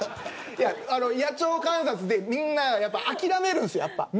野鳥観察でみんな諦めるんですよ。